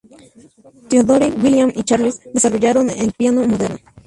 Theodore, William y Charles, desarrollaron el piano moderno.